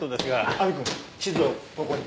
亜美くん地図をここへ。